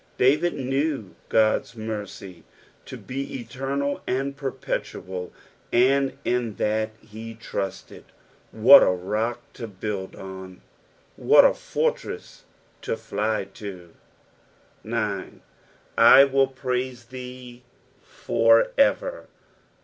David knew God's mercy to bo eternal and perpetual, and in that he trusted. What a rock to build on I What a fortreas to fly to I 9. "7 willpraiM thee for eeer."